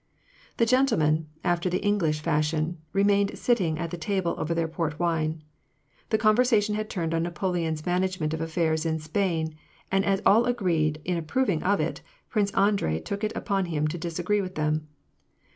The gentlemen, after the English fashion, remained sitting at table over their port wine. The conversation had turned on Napoleon's management of affairs in Spain ; and as all agreed in approving of it. Prince Andrei took it upon him to disagree with them.